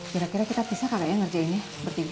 kira kira kita pisah kagak ya ngerjainnya bertiga